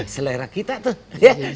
selera kita tuh